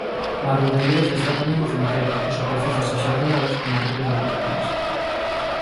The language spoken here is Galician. No adro da igrexa está tamén o cemiterio e superficies axardinadas con árbores autóctonas.